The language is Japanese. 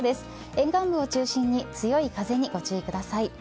沿岸部を中心に強い風にご注意ください。